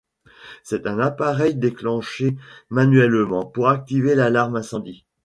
C'est un appareil déclenché manuellement pour activer l'alarme incendie.